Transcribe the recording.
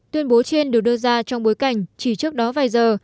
tuyên bố trên được đưa ra trong bối cảnh chỉ trước đó vài giờ